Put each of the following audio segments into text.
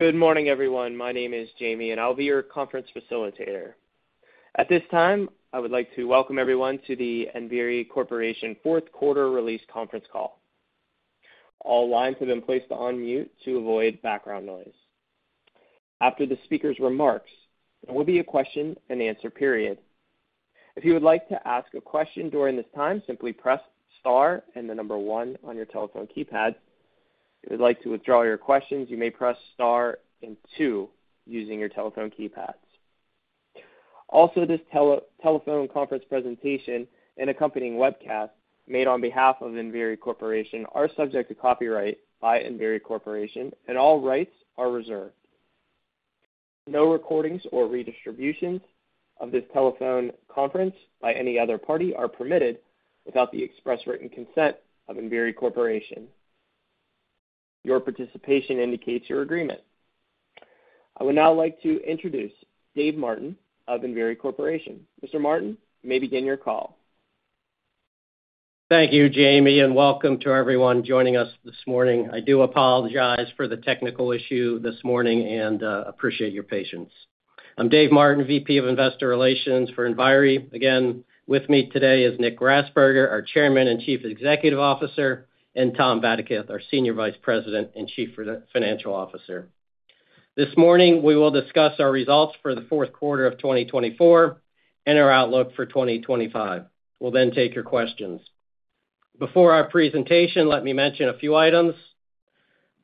Good morning, everyone. My name is Jamie, and I'll be your conference facilitator. At this time, I would like to welcome everyone to the Enviri Corporation Fourth Quarter Release Conference Call. All lines have been placed on mute to avoid background noise. After the speaker's remarks, there will be a question-and-answer period. If you would like to ask a question during this time, simply press Star and the number one on your telephone keypad. If you would like to withdraw your questions, you may press Star and two using your telephone keypads. Also, this telephone conference presentation and accompanying webcast made on behalf of Enviri Corporation are subject to copyright by Enviri Corporation, and all rights are reserved. No recordings or redistributions of this telephone conference by any other party are permitted without the express written consent of Enviri Corporation. Your participation indicates your agreement. I would now like to introduce David Martin of Enviri Corporation. Mr. Martin, you may begin your call. Thank you, Jamie, and welcome to everyone joining us this morning. I do apologize for the technical issue this morning and appreciate your patience. I'm David Martin, VP of Investor Relations for Enviri. Again, with me today is Nicholas Grasberger, our Chairman and Chief Executive Officer, and Tom Vadaketh, our Senior Vice President and Chief Financial Officer. This morning, we will discuss our results for the Q4 of 2024 and our outlook for 2025. We'll then take your questions. Before our presentation, let me mention a few items.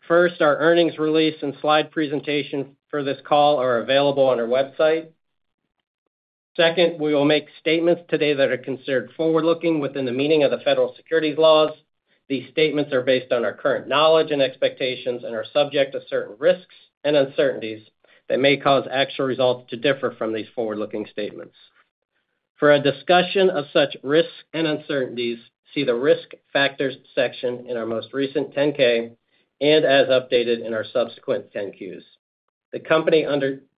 First, our earnings release and slide presentation for this call are available on our website. Second, we will make statements today that are considered forward-looking within the meaning of the federal securities laws. These statements are based on our current knowledge and expectations and are subject to certain risks and uncertainties that may cause actual results to differ from these forward-looking statements. For a discussion of such risks and uncertainties, see the risk factors section in our most recent 10-K and as updated in our subsequent 10-Qs. The company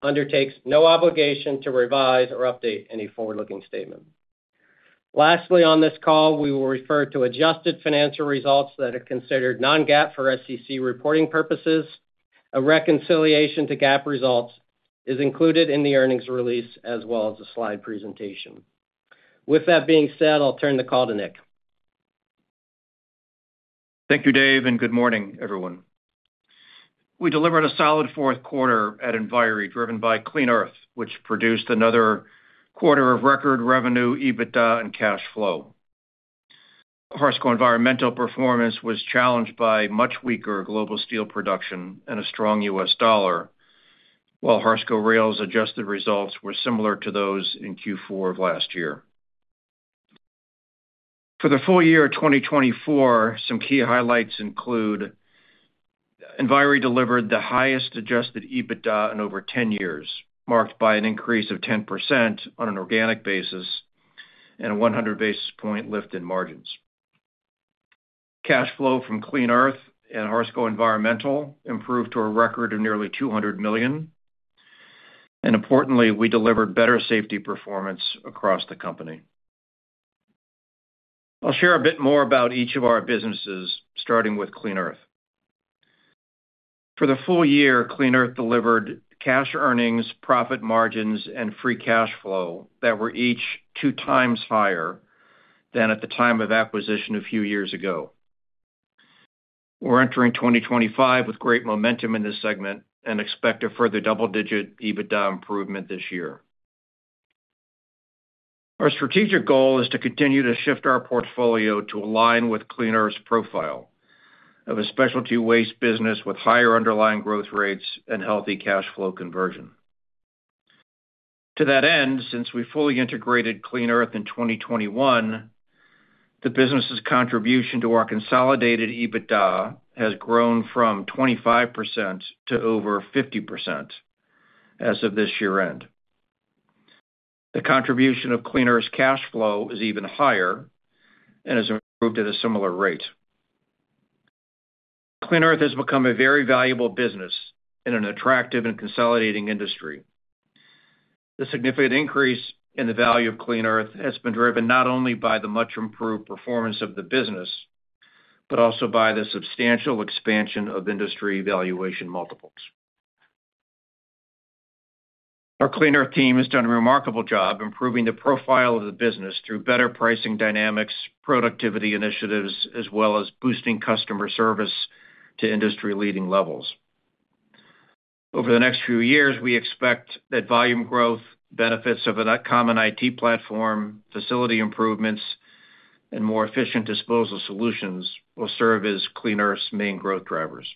undertakes no obligation to revise or update any forward-looking statement. Lastly, on this call, we will refer to adjusted financial results that are considered non-GAAP for SEC reporting purposes. A reconciliation to GAAP results is included in the earnings release as well as the slide presentation. With that being said, I'll turn the call to Nicholas. Thank you, David, and good morning, everyone. We delivered a solid Q4 at Enviri driven by Clean Earth, which produced another quarter of record revenue, EBITDA, and cash flow. Harsco Environmental performance was challenged by much weaker global steel production and a strong U.S. dollar, while Harsco Rail's adjusted results were similar to those in Q4 of last year. For the full year of 2024, some key highlights include Enviri delivered the highest Adjusted EBITDA in over 10 years, marked by an increase of 10% on an organic basis and a 100 basis point lift in margins. Cash flow from Clean Earth and Harsco Environmental improved to a record of nearly $200 million. And importantly, we delivered better safety performance across the company. I'll share a bit more about each of our businesses, starting with Clean Earth. For the full year, Clean Earth delivered cash earnings, profit margins, and free cash flow that were each two times higher than at the time of acquisition a few years ago. We're entering 2025 with great momentum in this segment and expect a further double-digit EBITDA improvement this year. Our strategic goal is to continue to shift our portfolio to align with Clean Earth's profile of a specialty waste business with higher underlying growth rates and healthy cash flow conversion. To that end, since we fully integrated Clean Earth in 2021, the business's contribution to our consolidated EBITDA has grown from 25% to over 50% as of this year-end. The contribution of Clean Earth's cash flow is even higher and has improved at a similar rate. Clean Earth has become a very valuable business in an attractive and consolidating industry. The significant increase in the value of Clean Earth has been driven not only by the much-improved performance of the business, but also by the substantial expansion of industry valuation multiples. Our Clean Earth team has done a remarkable job improving the profile of the business through better pricing dynamics, productivity initiatives, as well as boosting customer service to industry-leading levels. Over the next few years, we expect that volume growth, benefits of a common IT platform, facility improvements, and more efficient disposal solutions will serve as Clean Earth's main growth drivers.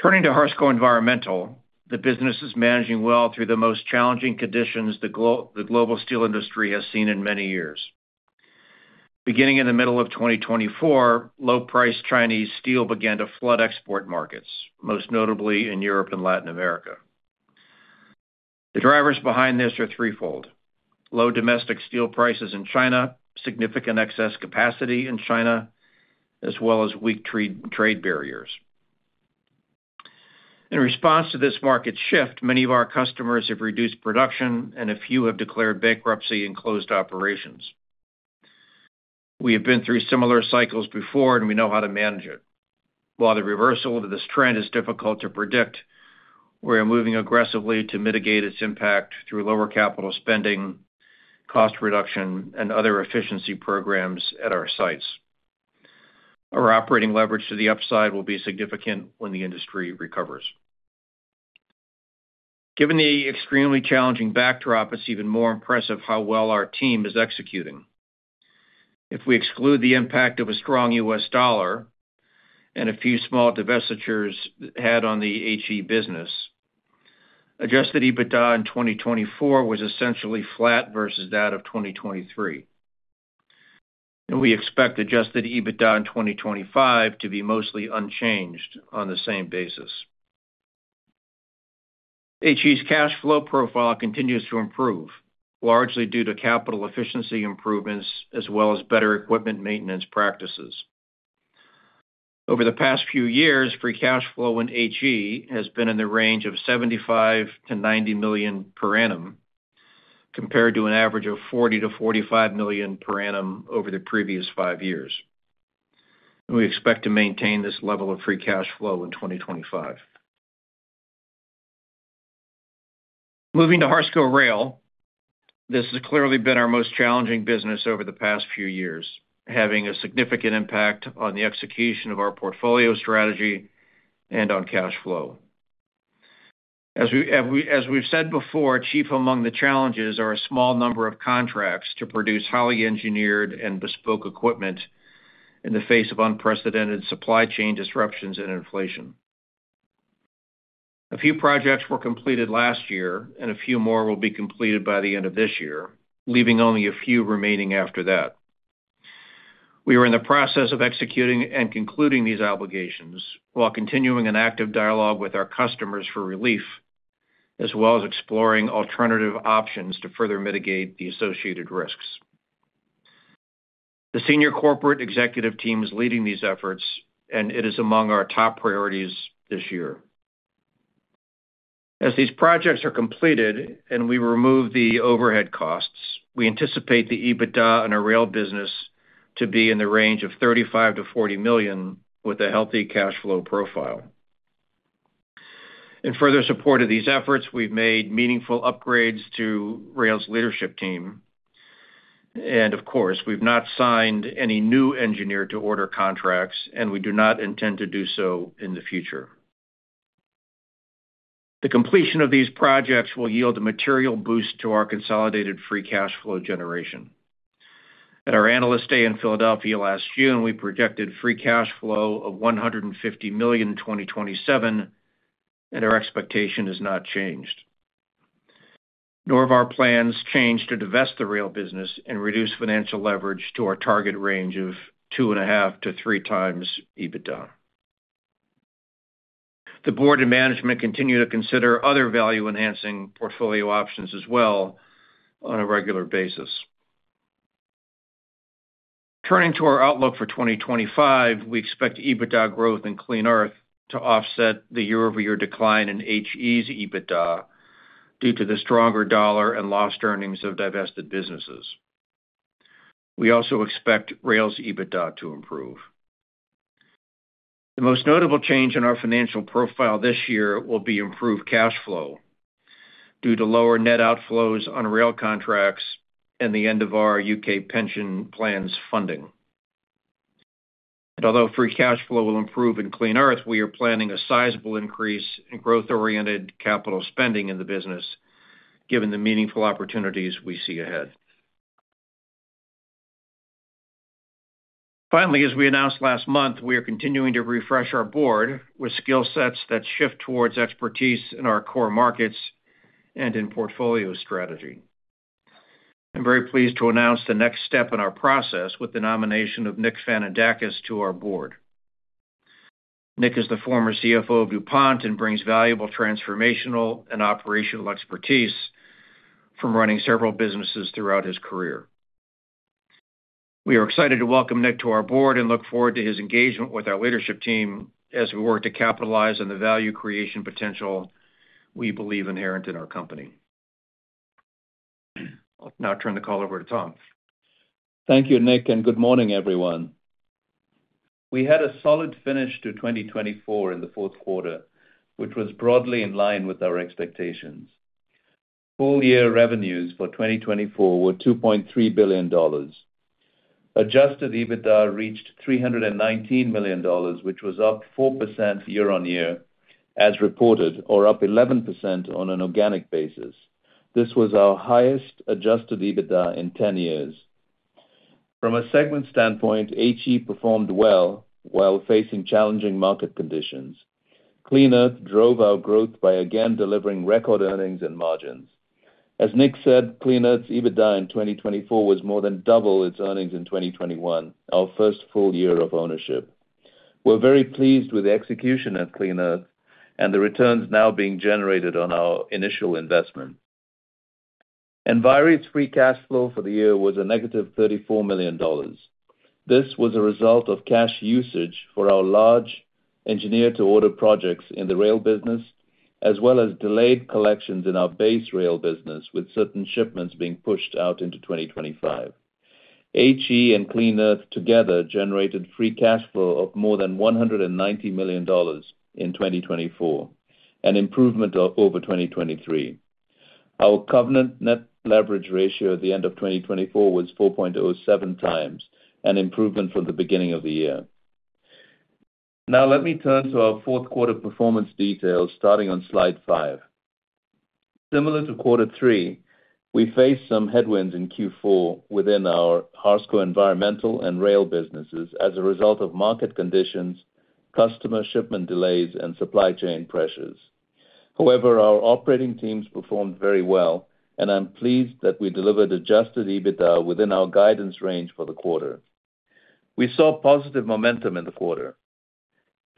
Turning to Harsco Environmental, the business is managing well through the most challenging conditions the global steel industry has seen in many years. Beginning in the middle of 2024, low-priced Chinese steel began to flood export markets, most notably in Europe and Latin America. The drivers behind this are threefold: low domestic steel prices in China, significant excess capacity in China, as well as weak trade barriers. In response to this market shift, many of our customers have reduced production, and a few have declared bankruptcy and closed operations. We have been through similar cycles before, and we know how to manage it. While the reversal of this trend is difficult to predict, we are moving aggressively to mitigate its impact through lower capital spending, cost reduction, and other efficiency programs at our sites. Our operating leverage to the upside will be significant when the industry recovers. Given the extremely challenging backdrop, it's even more impressive how well our team is executing. If we exclude the impact of a strong U.S. dollar and a few small divestitures had on the HE business, Adjusted EBITDA in 2024 was essentially flat versus that of 2023. We expect Adjusted EBITDA in 2025 to be mostly unchanged on the same basis. HE's cash flow profile continues to improve, largely due to capital efficiency improvements as well as better equipment maintenance practices. Over the past few years, free cash flow in HE has been in the range of $75 million-$90 million per annum, compared to an average of $40 million-$45 million per annum over the previous five years. We expect to maintain this level of free cash flow in 2025. Moving to Harsco Rail, this has clearly been our most challenging business over the past few years, having a significant impact on the execution of our portfolio strategy and on cash flow. As we've said before, chief among the challenges are a small number of contracts to produce highly engineered and bespoke equipment in the face of unprecedented supply chain disruptions and inflation. A few projects were completed last year, and a few more will be completed by the end of this year, leaving only a few remaining after that. We are in the process of executing and concluding these obligations while continuing an active dialogue with our customers for relief, as well as exploring alternative options to further mitigate the associated risks. The senior corporate executive team is leading these efforts, and it is among our top priorities this year. As these projects are completed and we remove the overhead costs, we anticipate the EBITDA on our rail business to be in the range of $35-$40 million with a healthy cash flow profile. In further support of these efforts, we've made meaningful upgrades to Rail's leadership team. And of course, we've not signed any new engineer-to-order contracts, and we do not intend to do so in the future. The completion of these projects will yield a material boost to our consolidated free cash flow generation. At our Analyst Day in Philadelphia last June, we projected free cash flow of $150 million in 2027, and our expectation has not changed. Nor have our plans changed to divest the Rail business and reduce financial leverage to our target range of two and a half to three times EBITDA. The board and management continue to consider other value-enhancing portfolio options as well on a regular basis. Turning to our outlook for 2025, we expect EBITDA growth in Clean Earth to offset the year-over-year decline in HE's EBITDA due to the stronger dollar and lost earnings of divested businesses. We also expect Rail's EBITDA to improve. The most notable change in our financial profile this year will be improved cash flow due to lower net outflows on Rail contracts and the end of our U.K. pension plans funding, and although free cash flow will improve in Clean Earth, we are planning a sizable increase in growth-oriented capital spending in the business, given the meaningful opportunities we see ahead. Finally, as we announced last month, we are continuing to refresh our board with skill sets that shift towards expertise in our core markets and in portfolio strategy. I'm very pleased to announce the next step in our process with the nomination of Nicholas Fanandakis to our board. Nicholas is the former CFO of DuPont and brings valuable transformational and operational expertise from running several businesses throughout his career. We are excited to welcome Nicholas to our board and look forward to his engagement with our leadership team as we work to capitalize on the value creation potential we believe inherent in our company. I'll now turn the call over to Tom. Thank you, Nicholas, and good morning, everyone. We had a solid finish to 2024 in the Q4, which was broadly in line with our expectations. Full-year revenues for 2024 were $2.3 billion. Adjusted EBITDA reached $319 million, which was up 4% year-on-year as reported, or up 11% on an organic basis. This was our highest Adjusted EBITDA in 10 years. From a segment standpoint, HE performed well while facing challenging market conditions. Clean Earth drove our growth by again delivering record earnings and margins. As Nicholas said, Clean Earth's EBITDA in 2024 was more than double its earnings in 2021, our first full year of ownership. We're very pleased with the execution of Clean Earth and the returns now being generated on our initial investment. Enviri's free cash flow for the year was a negative $34 million. This was a result of cash usage for our large engineer-to-order projects in the Rail business, as well as delayed collections in our base Rail business, with certain shipments being pushed out into 2025. HE and Clean Earth together generated free cash flow of more than $190 million in 2024, an improvement over 2023. Our Covenant Net Leverage Ratio at the end of 2024 was 4.07 times, an improvement from the beginning of the year. Now, let me turn to our Q4 performance details starting on slide five. Similar to quarter three, we faced some headwinds in Q4 within our Harsco Environmental and Harsco Rail businesses as a result of market conditions, customer shipment delays, and supply chain pressures. However, our operating teams performed very well, and I'm pleased that we delivered Adjusted EBITDA within our guidance range for the quarter. We saw positive momentum in the quarter.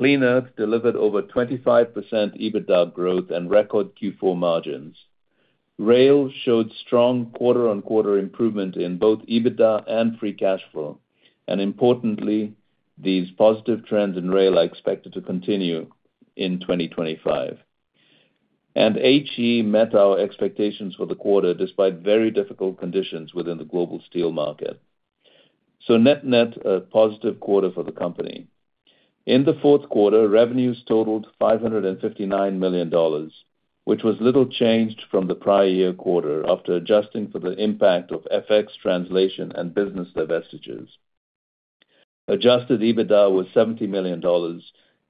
Clean Earth delivered over 25% EBITDA growth and record Q4 margins. Rail showed strong quarter-on-quarter improvement in both EBITDA and free cash flow. And importantly, these positive trends in Rail are expected to continue in 2025. And HE met our expectations for the quarter despite very difficult conditions within the global steel market. So net-net a positive quarter for the company. In the Q4, revenues totaled $559 million, which was little changed from the prior year quarter after adjusting for the impact of FX translation and business divestitures. Adjusted EBITDA was $70 million,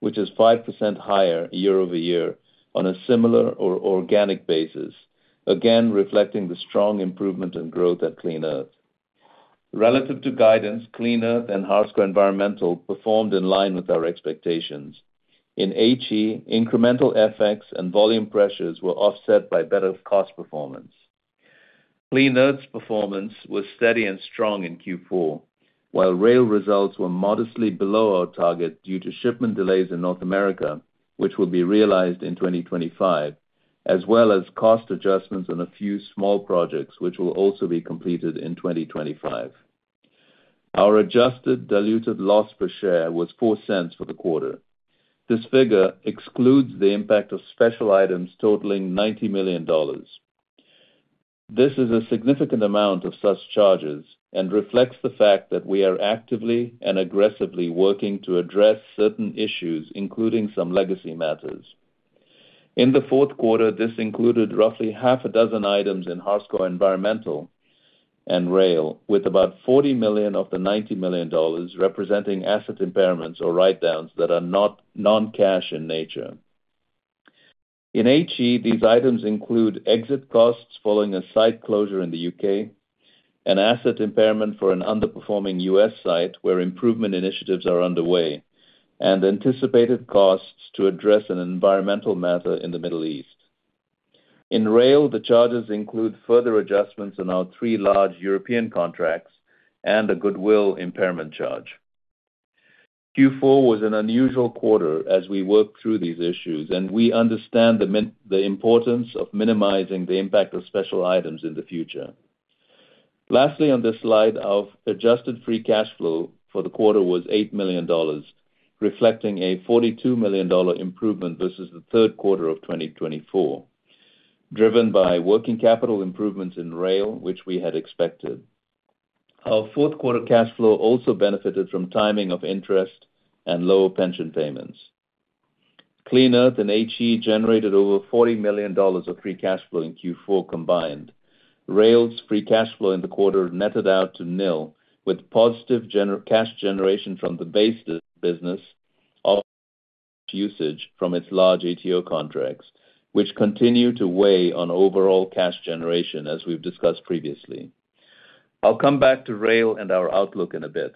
which is 5% higher year-over-year on a similar or organic basis, again reflecting the strong improvement and growth at Clean Earth. Relative to guidance, Clean Earth and Harsco Environmental performed in line with our expectations. In HE, incremental FX and volume pressures were offset by better cost performance. Clean Earth's performance was steady and strong in Q4, while Rail results were modestly below our target due to shipment delays in North America, which will be realized in 2025, as well as cost adjustments on a few small projects, which will also be completed in 2025. Our adjusted diluted loss per share was $0.04 for the quarter. This figure excludes the impact of special items totaling $90 million. This is a significant amount of such charges and reflects the fact that we are actively and aggressively working to address certain issues, including some legacy matters. In the Q4, this included roughly half a dozen items in Harsco Environmental and Rail, with about $40 million of the $90 million representing asset impairments or write-downs that are non-cash in nature. In HE, these items include exit costs following a site closure in the U.K., an asset impairment for an underperforming U.S. site where improvement initiatives are underway, and anticipated costs to address an environmental matter in the Middle East. In Rail, the charges include further adjustments on our three large European contracts and a goodwill impairment charge. Q4 was an unusual quarter as we worked through these issues, and we understand the importance of minimizing the impact of special items in the future. Lastly, on this slide, our adjusted free cash flow for the quarter was $8 million, reflecting a $42 million improvement versus the Q3 of 2024, driven by working capital improvements in Rail, which we had expected. Our Q4 cash flow also benefited from timing of interest and lower pension payments. Clean Earth and HE generated over $40 million of free cash flow in Q4 combined. Rail's free cash flow in the quarter netted out to nil, with positive cash generation from the base business offset by usage from its large ETO contracts, which continue to weigh on overall cash generation, as we've discussed previously. I'll come back to Rail and our outlook in a bit.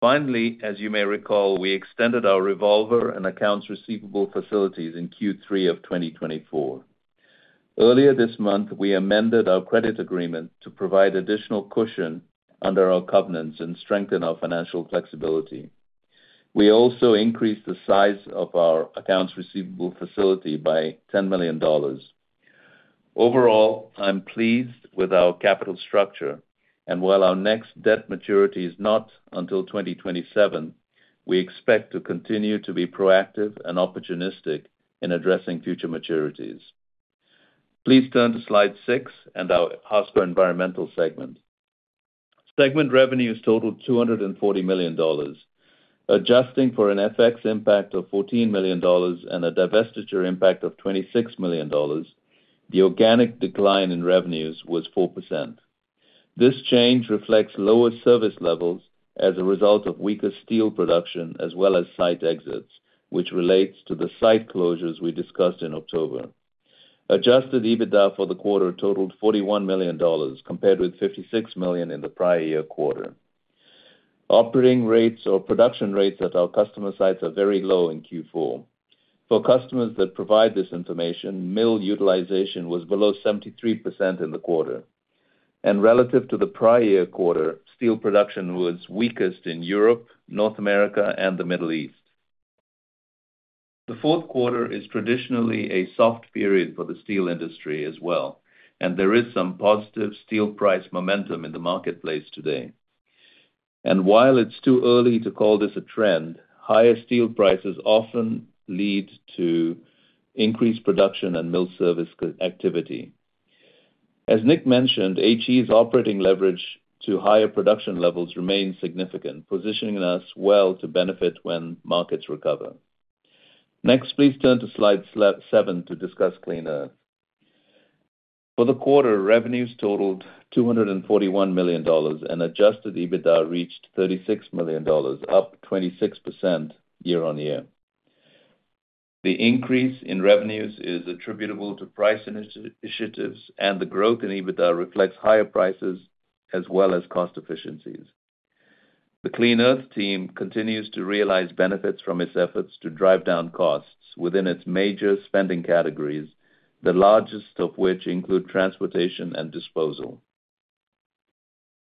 Finally, as you may recall, we extended our revolver and accounts receivable facilities in Q3 of 2024. Earlier this month, we amended our credit agreement to provide additional cushion under our covenants and strengthen our financial flexibility. We also increased the size of our accounts receivable facility by $10 million. Overall, I'm pleased with our capital structure, and while our next debt maturity is not until 2027, we expect to continue to be proactive and opportunistic in addressing future maturities. Please turn to slide six and our Harsco Environmental segment. Segment revenues totaled $240 million. Adjusting for an FX impact of $14 million and a divestiture impact of $26 million, the organic decline in revenues was 4%. This change reflects lower service levels as a result of weaker steel production as well as site exits, which relates to the site closures we discussed in October. Adjusted EBITDA for the quarter totaled $41 million, compared with $56 million in the prior year quarter. Operating rates or production rates at our customer sites are very low in Q4. For customers that provide this information, mill utilization was below 73% in the quarter, and relative to the prior year quarter, steel production was weakest in Europe, North America, and the Middle East. The Q4 is traditionally a soft period for the steel industry as well, and there is some positive steel price momentum in the marketplace today. While it's too early to call this a trend, higher steel prices often lead to increased production and mill service activity. As Nicholas mentioned, HE's operating leverage to higher production levels remains significant, positioning us well to benefit when markets recover. Next, please turn to slide seven to discuss Clean Earth. For the quarter, revenues totaled $241 million, and Adjusted EBITDA reached $36 million, up 26% year-on-year. The increase in revenues is attributable to price initiatives, and the growth in EBITDA reflects higher prices as well as cost efficiencies. The Clean Earth team continues to realize benefits from its efforts to drive down costs within its major spending categories, the largest of which include transportation and disposal.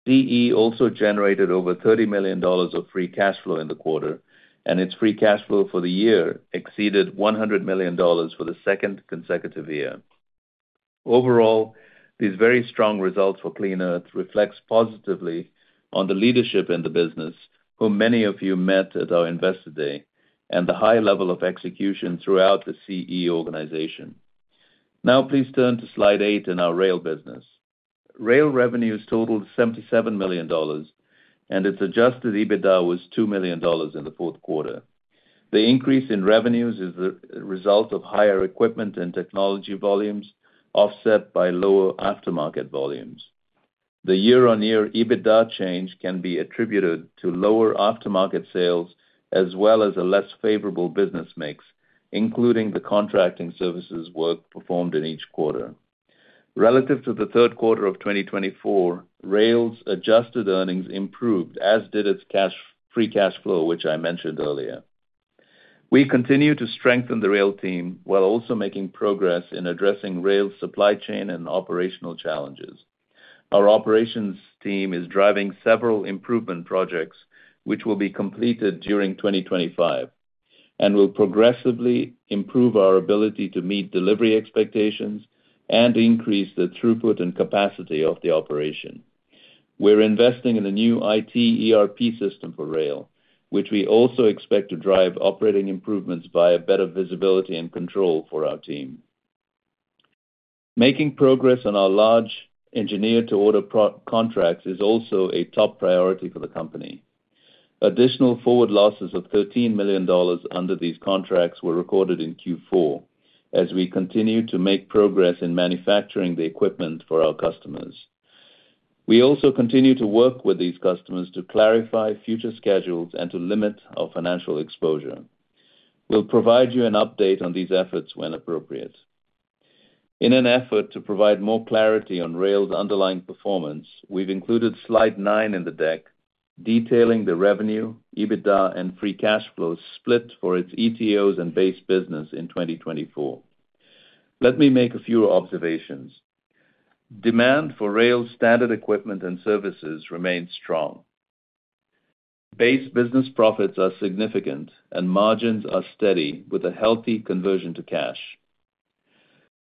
CE also generated over $30 million of free cash flow in the quarter, and its free cash flow for the year exceeded $100 million for the second consecutive year. Overall, these very strong results for Clean Earth reflect positively on the leadership in the business, whom many of you met at our Investor Day, and the high level of execution throughout the CE organization. Now, please turn to slide eight in our Rail business. Rail revenues totaled $77 million, and its Adjusted EBITDA was $2 million in the Q4. The increase in revenues is the result of higher equipment and technology volumes offset by lower aftermarket volumes. The year-on-year EBITDA change can be attributed to lower aftermarket sales as well as a less favorable business mix, including the contracting services work performed in each quarter. Relative to the Q3 of 2024, Rail's adjusted earnings improved, as did its free cash flow, which I mentioned earlier. We continue to strengthen the Rail team while also making progress in addressing Rail supply chain and operational challenges. Our operations team is driving several improvement projects, which will be completed during 2025, and will progressively improve our ability to meet delivery expectations and increase the throughput and capacity of the operation. We're investing in a new IT ERP system for Rail, which we also expect to drive operating improvements via better visibility and control for our team. Making progress on our large engineer-to-order contracts is also a top priority for the company. Additional forward losses of $13 million under these contracts were recorded in Q4, as we continue to make progress in manufacturing the equipment for our customers. We also continue to work with these customers to clarify future schedules and to limit our financial exposure. We'll provide you an update on these efforts when appropriate. In an effort to provide more clarity on Rail's underlying performance, we've included slide nine in the deck detailing the revenue, EBITDA, and free cash flow split for its ETOs and base business in 2024. Let me make a few observations. Demand for Rail standard equipment and services remains strong. Base business profits are significant, and margins are steady with a healthy conversion to cash.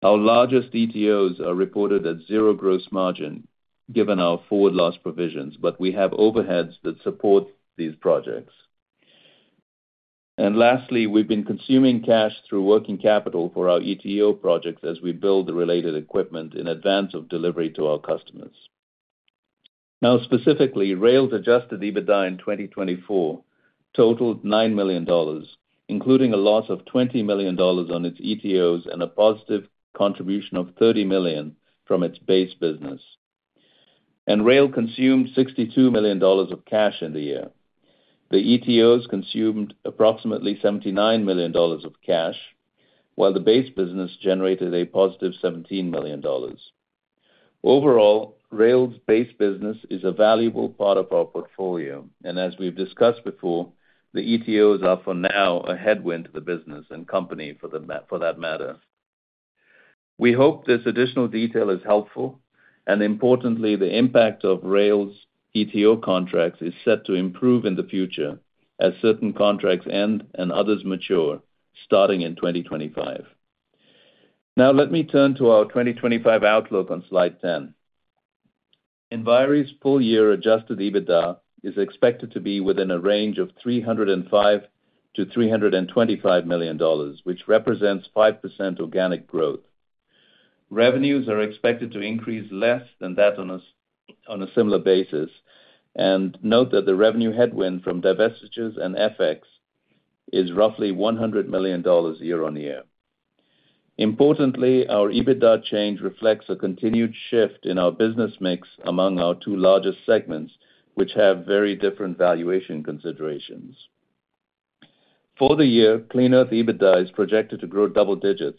Our largest ETOs are reported at zero gross margin given our forward loss provisions, but we have overheads that support these projects. And lastly, we've been consuming cash through working capital for our ETO projects as we build the related equipment in advance of delivery to our customers. Now, specifically, Rail's Adjusted EBITDA in 2024 totaled $9 million, including a loss of $20 million on its ETOs and a positive contribution of $30 million from its base business. Rail consumed $62 million of cash in the year. The ETOs consumed approximately $79 million of cash, while the base business generated a positive $17 million. Overall, Rail's base business is a valuable part of our portfolio, and as we've discussed before, the ETOs are for now a headwind to the business and company for that matter. We hope this additional detail is helpful, and importantly, the impact of Rail's ETO contracts is set to improve in the future as certain contracts end and others mature starting in 2025. Now, let me turn to our 2025 outlook on slide 10. Enviri's full-year Adjusted EBITDA is expected to be within a range of $305-$325 million, which represents 5% organic growth. Revenues are expected to increase less than that on a similar basis, and note that the revenue headwind from divestitures and FX is roughly $100 million year-on-year. Importantly, our EBITDA change reflects a continued shift in our business mix among our two largest segments, which have very different valuation considerations. For the year, Clean Earth EBITDA is projected to grow double digits,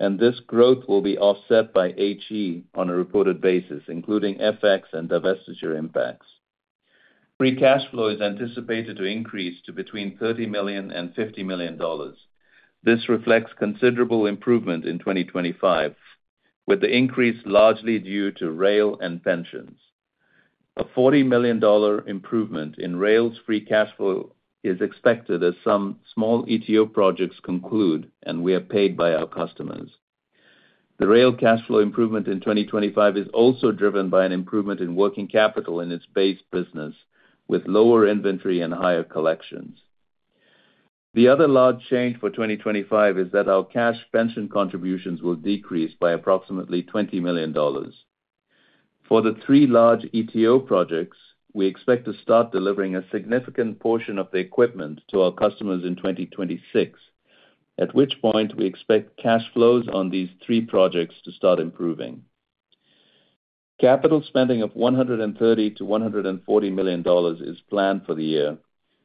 and this growth will be offset by HE on a reported basis, including FX and divestiture impacts. Free cash flow is anticipated to increase to between $30 million and $50 million. This reflects considerable improvement in 2025, with the increase largely due to Rail and pensions. A $40 million improvement in Rail's free cash flow is expected as some small ETO projects conclude and we are paid by our customers. The Rail cash flow improvement in 2025 is also driven by an improvement in working capital in its base business, with lower inventory and higher collections. The other large change for 2025 is that our cash pension contributions will decrease by approximately $20 million. For the three large ETO projects, we expect to start delivering a significant portion of the equipment to our customers in 2026, at which point we expect cash flows on these three projects to start improving. Capital spending of $130-$140 million is planned for the year,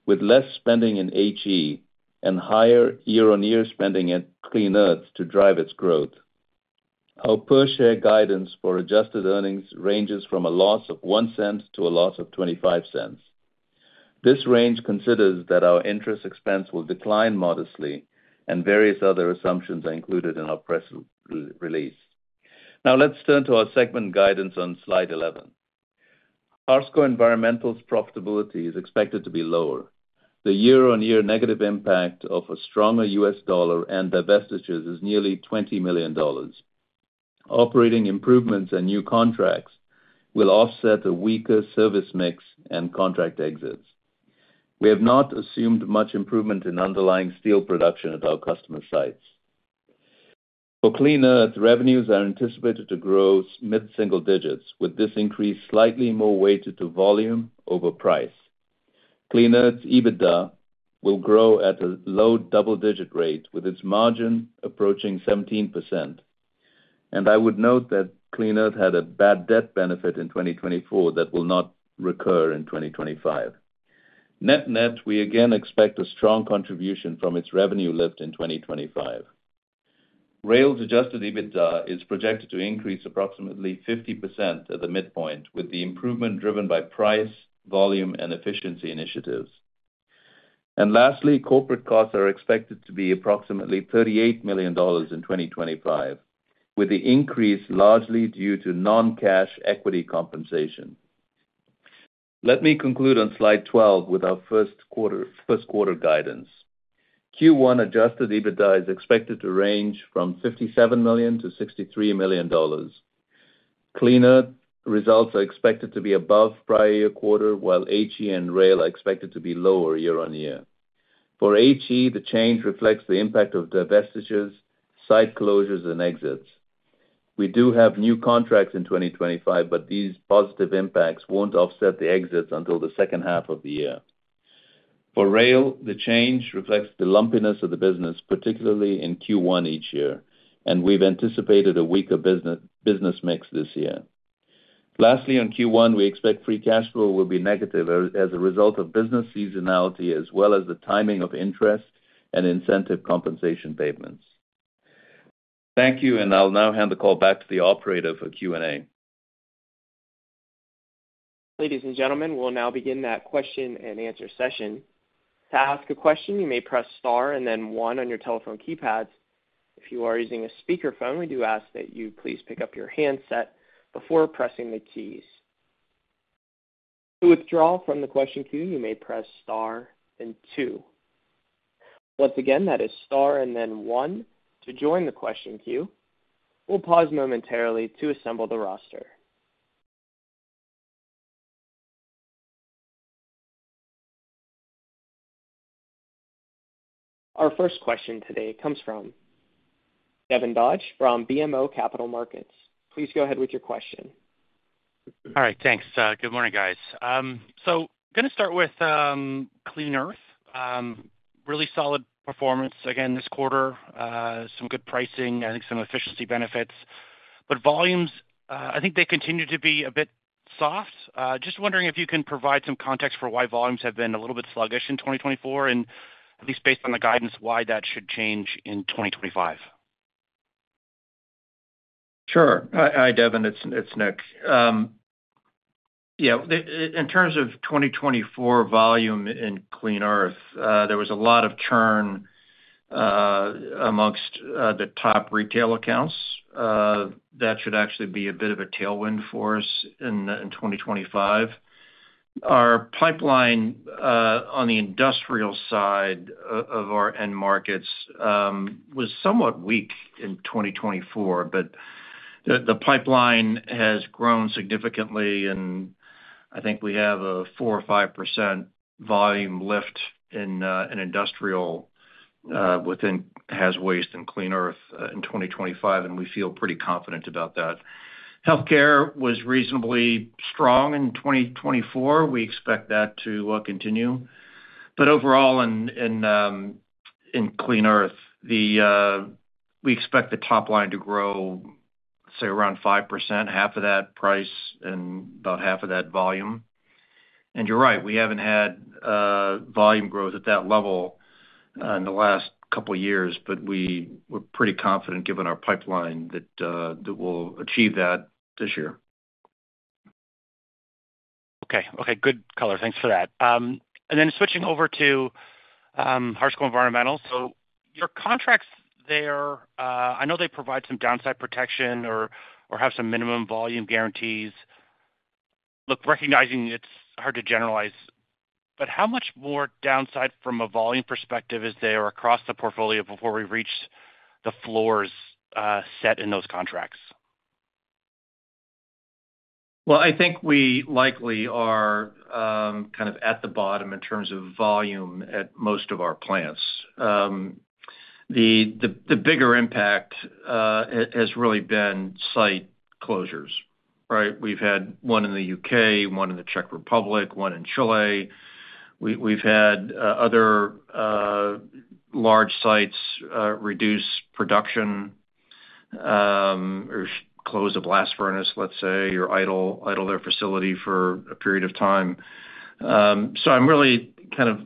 with less spending in HE and higher year-on-year spending at Clean Earth to drive its growth. Our per-share guidance for adjusted earnings ranges from a loss of $0.01 to a loss of $0.25. This range considers that our interest expense will decline modestly, and various other assumptions are included in our press release. Now, let's turn to our segment guidance on slide 11. Harsco Environmental's profitability is expected to be lower. The year-on-year negative impact of a stronger U.S. dollar and divestitures is nearly $20 million. Operating improvements and new contracts will offset a weaker service mix and contract exits. We have not assumed much improvement in underlying steel production at our customer sites. For Clean Earth, revenues are anticipated to grow mid-single digits, with this increase slightly more weighted to volume over price. Clean Earth's EBITDA will grow at a low double-digit rate, with its margin approaching 17%. And I would note that Clean Earth had a bad debt benefit in 2024 that will not recur in 2025. Net-net, we again expect a strong contribution from its revenue lift in 2025. Rail's Adjusted EBITDA is projected to increase approximately 50% at the midpoint, with the improvement driven by price, volume, and efficiency initiatives. And lastly, corporate costs are expected to be approximately $38 million in 2025, with the increase largely due to non-cash equity compensation. Let me conclude on slide 12 with our Q1 guidance. Q1 Adjusted EBITDA is expected to range from $57 million-$63 million. Clean Earth results are expected to be above prior year quarter, while HE and Rail are expected to be lower year-on-year. For HE, the change reflects the impact of divestitures, site closures, and exits. We do have new contracts in 2025, but these positive impacts won't offset the exits until the second half of the year. For Rail, the change reflects the lumpiness of the business, particularly in Q1 each year, and we've anticipated a weaker business mix this year. Lastly, on Q1, we expect free cash flow will be negative as a result of business seasonality as well as the timing of interest and incentive compensation payments. Thank you, and I'll now hand the call back to the operator for Q&A. Ladies and gentlemen, we'll now begin that question-and-answer session. To ask a question, you may press star and then one on your telephone keypads. If you are using a speakerphone, we do ask that you please pick up your handset before pressing the keys. To withdraw from the question queue, you may press star and two. Once again, that is star and then one to join the question queue. We'll pause momentarily to assemble the roster. Our first question today comes from Devin Dodge from BMO Capital Markets. Please go ahead with your question. All right, thanks. Good morning, guys. So going to start with Clean Earth. Really solid performance again this quarter. Some good pricing, I think some efficiency benefits. But volumes, I think they continue to be a bit soft. Just wondering if you can provide some context for why volumes have been a little bit sluggish in 2024, and at least based on the guidance, why that should change in 2025. Sure. Hi, Devin. It's Nicholas. Yeah, in terms of 2024 volume in Clean Earth, there was a lot of churn amongst the top retail accounts. That should actually be a bit of a tailwind for us in 2025. Our pipeline on the industrial side of our end markets was somewhat weak in 2024, but the pipeline has grown significantly, and I think we have a 4%-5% volume lift in industrial within haz waste and Clean Earth in 2025, and we feel pretty confident about that. Healthcare was reasonably strong in 2024. We expect that to continue. But overall, in Clean Earth, we expect the top line to grow, say, around 5%, half of that price and about half of that volume. And you're right, we haven't had volume growth at that level in the last couple of years, but we're pretty confident given our pipeline that we'll achieve that this year. Okay. Good color. Thanks for that. And then switching over to Harsco Environmental. So your contracts there, I know they provide some downside protection or have some minimum volume guarantees. Look, recognizing it's hard to generalize, but how much more downside from a volume perspective is there across the portfolio before we reach the floors set in those contracts? Well, I think we likely are kind of at the bottom in terms of volume at most of our plants. The bigger impact has really been site closures, right? We've had one in the UK, one in the Czech Republic, one in Chile. We've had other large sites reduce production or close a blast furnace, let's say, or idle their facility for a period of time. So I'm really kind of,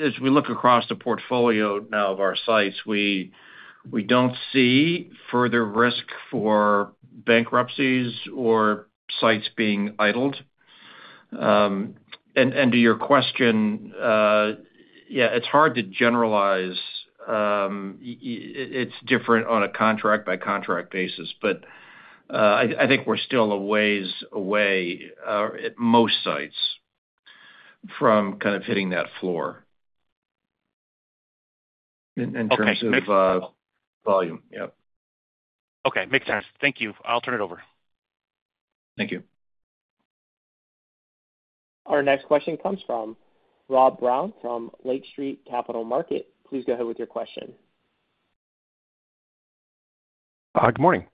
as we look across the portfolio now of our sites, we don't see further risk for bankruptcies or sites being idled. And to your question, yeah, it's hard to generalize. It's different on a contract-by-contract basis, but I think we're still a ways away at most sites from kind of hitting that floor in terms of volume. Yeah. Okay. Makes sense. Thank you. I'll turn it over. Thank you. Our next question comes from Rob Brown from Lake Street Capital Markets. Please go ahead with your question. Good morning.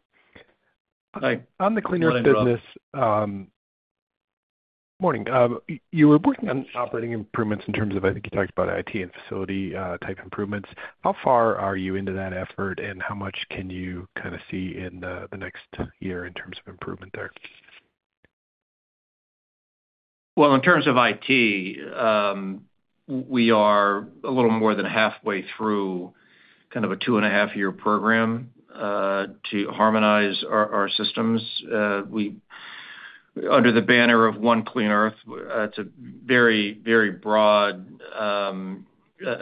Hi. On the Clean Earth business. Good morning. You were working on operating improvements in terms of, I think you talked about IT and facility-type improvements. How far are you into that effort, and how much can you kind of see in the next year in terms of improvement there? Well, in terms of IT, we are a little more than halfway through kind of a two-and-a-half-year program to harmonize our systems under the banner of One Clean Earth. It's a very, very broad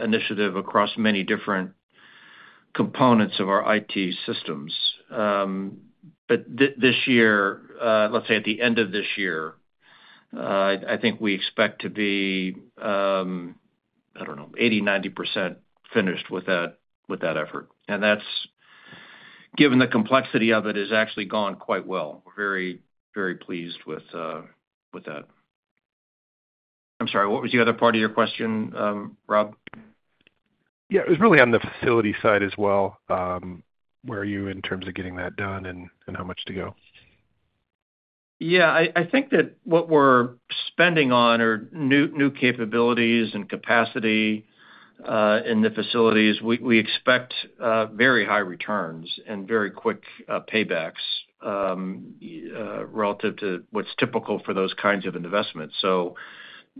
initiative across many different components of our IT systems. But this year, let's say at the end of this year, I think we expect to be, I don't know, 80%-90% finished with that effort. And that's, given the complexity of it, has actually gone quite well. We're very, very pleased with that. I'm sorry, what was the other part of your question, Rob? Yeah, it was really on the facility side as well. Where are you in terms of getting that done and how much to go? Yeah, I think that what we're spending on are new capabilities and capacity in the facilities. We expect very high returns and very quick paybacks relative to what's typical for those kinds of investments. So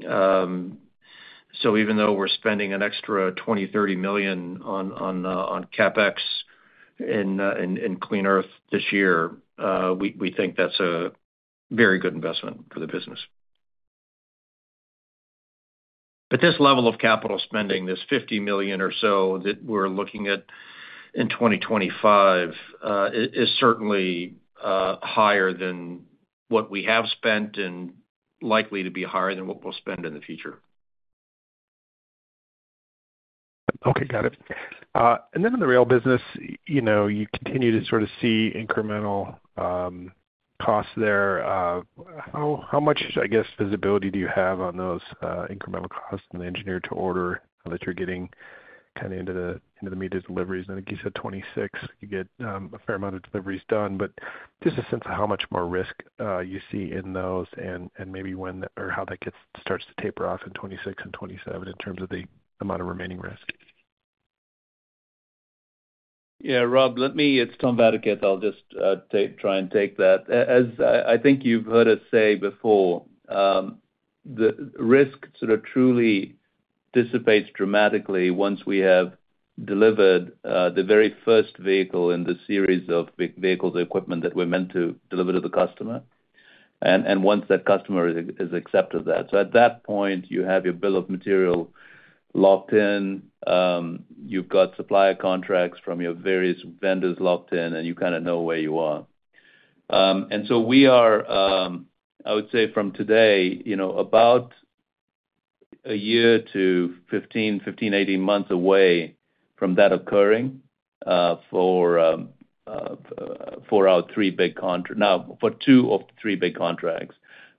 even though we're spending an extra $20-$30 million on CapEx in Clean Earth this year, we think that's a very good investment for the business. But this level of capital spending, this $50 million or so that we're looking at in 2025, is certainly higher than what we have spent and likely to be higher than what we'll spend in the future. Okay. Got it. And then in the Rail business, you continue to sort of see incremental costs there. How much, I guess, visibility do you have on those incremental costs and the engineer-to-order that you're getting kind of into the meat of deliveries? I think you said 26. You get a fair amount of deliveries done. But just a sense of how much more risk you see in those and maybe when or how that starts to taper off in 2026 and 2027 in terms of the amount of remaining risk. Yeah, Rob, it's Tom Vadaketh. I'll just try and take that. As I think you've heard us say before, the risk sort of truly dissipates dramatically once we have delivered the very first vehicle in the series of vehicles and equipment that we're meant to deliver to the customer and once that customer is accepted of that. So at that point, you have your bill of material locked in. You've got supplier contracts from your various vendors locked in, and you kind of know where you are. And so we are, I would say from today, about a year to 15-18 months away from that occurring for our three big contracts. Now, for two of the three big contracts.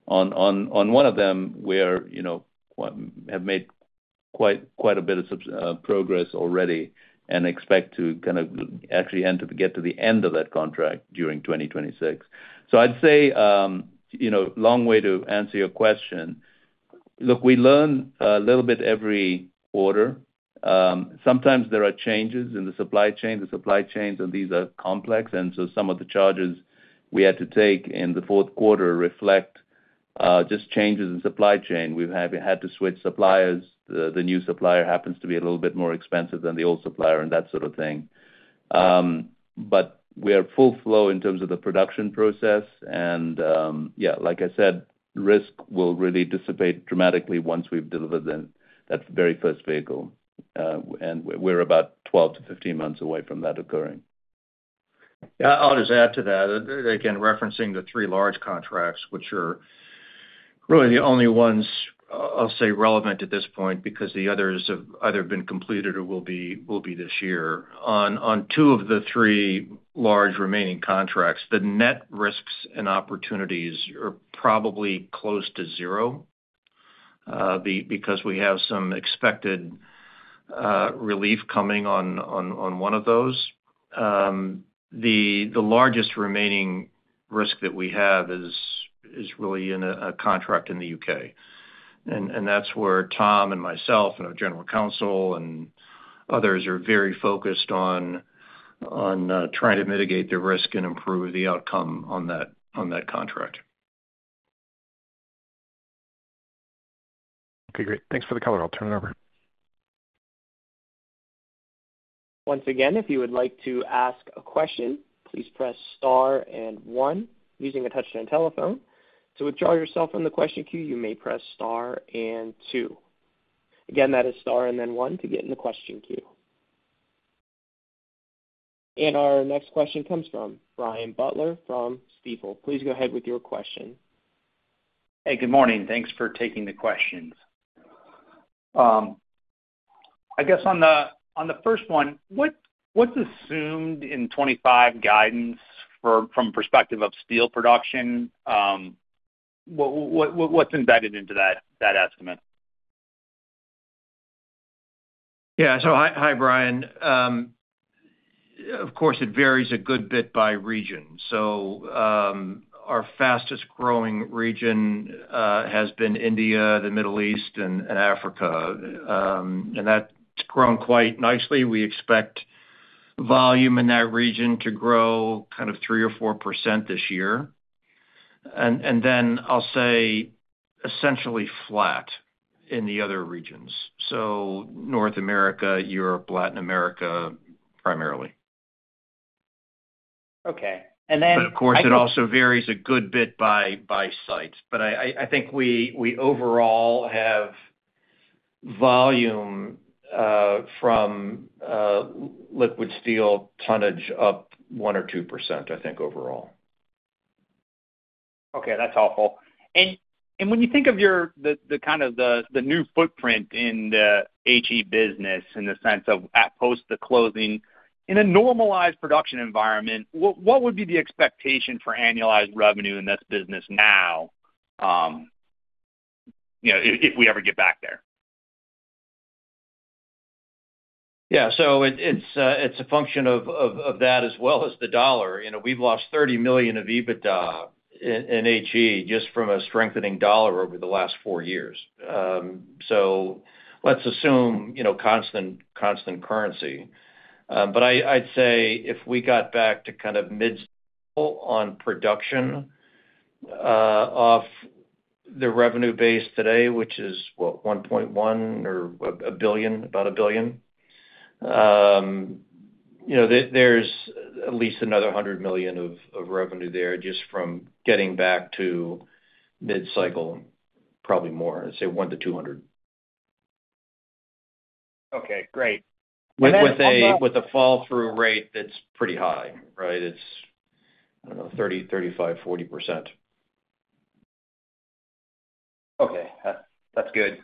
On one of them, we have made quite a bit of progress already and expect to kind of actually get to the end of that contract during 2026. So I'd say long way to answer your question. Look, we learn a little bit every quarter. Sometimes there are changes in the supply chain. The supply chains of these are complex. And so some of the charges we had to take in the Q4 reflect just changes in supply chain. We've had to switch suppliers. The new supplier happens to be a little bit more expensive than the old supplier and that sort of thing. But we are full flow in terms of the production process. And yeah, like I said, risk will really dissipate dramatically once we've delivered that very first vehicle. And we're about 12-15 months away from that occurring. Yeah, I'll just add to that. Again, referencing the three large contracts, which are really the only ones I'll say relevant at this point because the others have either been completed or will be this year. On two of the three large remaining contracts, the net risks and opportunities are probably close to zero because we have some expected relief coming on one of those. The largest remaining risk that we have is really in a contract in the U.K. And that's where Tom and myself and our general counsel and others are very focused on trying to mitigate the risk and improve the outcome on that contract. Okay. Great. Thanks for the color. I'll turn it over. Once again, if you would like to ask a question, please press star and one using a touch-tone telephone. To withdraw yourself from the question queue, you may press star and two. Again, that is star and then one to get in the question queue. And our next question comes from Brian Butler from Stifel. Please go ahead with your question. Hey, good morning. Thanks for taking the questions. I guess on the first one, what's assumed in 2025 guidance from perspective of steel production? What's embedded into that estimate? Yeah. So hi, Brian. Of course, it varies a good bit by region. So our fastest-growing region has been India, the Middle East, and Africa. And that's grown quite nicely. We expect volume in that region to grow kind of 3 or 4% this year. And then I'll say essentially flat in the other regions. So North America, Europe, Latin America primarily. Okay. And then. But of course, it also varies a good bit by site. But I think we overall have volume from liquid steel tonnage up 1 or 2%, I think, overall. Okay. That's helpful. And when you think of the kind of the new footprint in the HE business in the sense of at post the closing in a normalized production environment, what would be the expectation for annualized revenue in this business now if we ever get back there? Yeah. So it's a function of that as well as the dollar. We've lost $30 million of EBITDA in HE just from a strengthening dollar over the last four years. So let's assume constant currency. But I'd say if we got back to kind of mid-on production of the revenue base today, which is, what, $1.1 billion or about a billion, there's at least another $100 million of revenue there just from getting back to mid-cycle, prob ably more, I'd say $100-$200 million. Okay. Great. With a fall-through rate that's pretty high, right? It's, I don't know, 30%, 35%, 40%. Okay. That's good.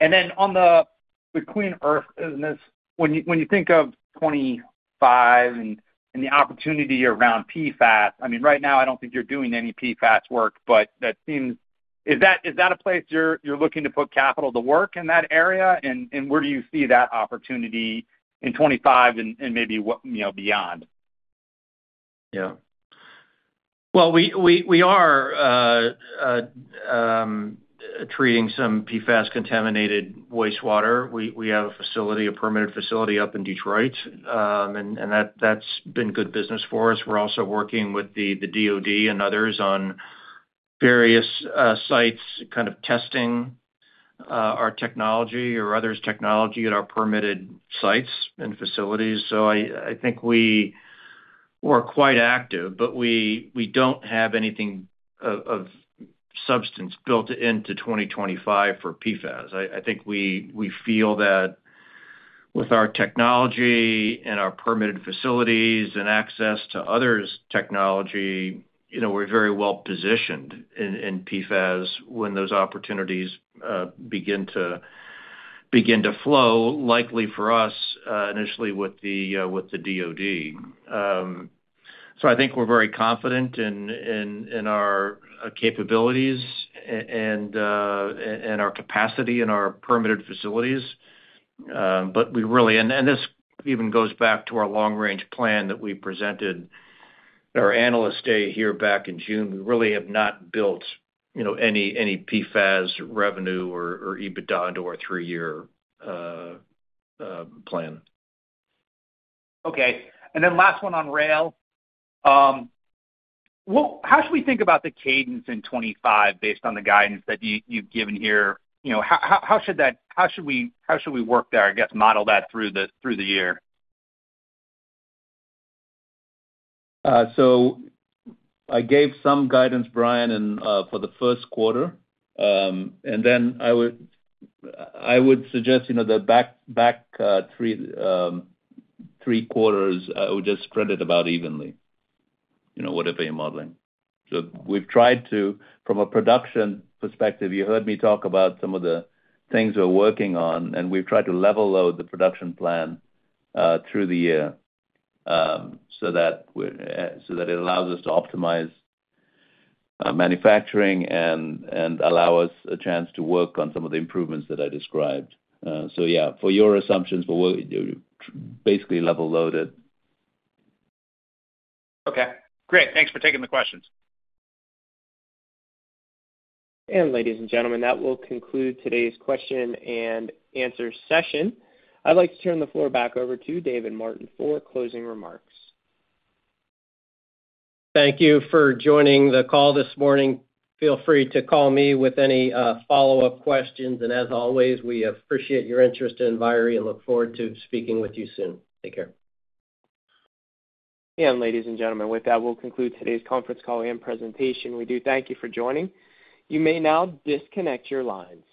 And then on the Clean Earth business, when you think of 2025 and the opportunity around PFAS, I mean, right now, I don't think you're doing any PFAS work, but that seems, is that a place you're looking to put capital to work in that area? And where do you see that opportunity in 2025 and maybe beyond? Yeah. Well, we are treating some PFAS-contaminated wastewater. We have a facility, a permitted facility up in Detroit, and that's been good business for us. We're also working with the DOD and others on various sites kind of testing our technology or others' technology at our permitted sites and facilities. So I think we're quite active, but we don't have anything of substance built into 2025 for PFAS. I think we feel that with our technology and our permitted facilities and access to others' technology, we're very well positioned in PFAS when those opportunities begin to flow, likely for us initially with the DOD. So I think we're very confident in our capabilities and our capacity and our permitted facilities. But we really, and this even goes back to our long-range plan that we presented to our analysts here back in June. We really have not built any PFAS revenue or EBITDA into our three-year plan. Okay. And then last one on Rail. How should we think about the cadence in 2025 based on the guidance that you've given here? How should we work that, I guess, model that through the year? So I gave some guidance, Brian, for the Q1. And then I would suggest the back three quarters. I would just spread it about evenly, whatever you're modeling. So we've tried to, from a production perspective, you heard me talk about some of the things we're working on, and we've tried to level load the production plan through the year so that it allows us to optimize manufacturing and allow us a chance to work on some of the improvements that I described. So yeah, for your assumptions, we're basically level loaded. Okay. Great. Thanks for taking the questions. And ladies and gentlemen, that will conclude today's question and answer session. I'd like to turn the floor back over to David Martin for closing remarks. Thank you for joining the call this morning. Feel free to call me with any follow-up questions. And as always, we appreciate your interest and inquiry and look forward to speaking with you soon. Take care, and ladies and gentlemen, with that, we'll conclude today's conference call and presentation. We do thank you for joining. You may now disconnect your lines.